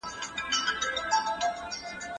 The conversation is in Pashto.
د خلګو غوښتنو او آندونو ته درناوی وسو.